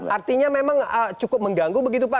artinya memang cukup mengganggu begitu pak